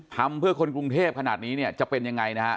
ทำเพื่อคนกรุงเทพฯขนาดนี้จะเป็นยังไง